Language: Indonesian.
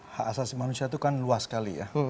hak asasi manusia itu kan luas sekali ya